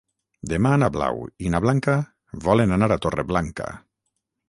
Demà na Blau i na Blanca volen anar a Torreblanca.